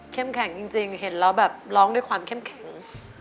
แข็งจริงเห็นแล้วแบบร้องด้วยความเข้มแข็ง